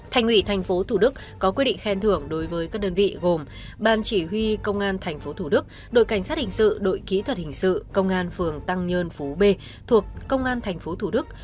thành ủy tp thủ đức có quyết định khen thưởng đối với các đơn vị gồm ban chỉ huy công an tp thủ đức đội cảnh sát hình sự đội kỹ thuật hình sự công an phường tăng nhơn phú b thuộc công an tp thủ đức